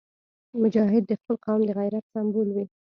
مجاهد د خپل قوم د غیرت سمبول وي.